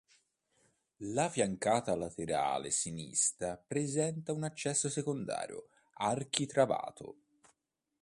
La fiancata laterale sinistra presenta un accesso secondario architravato.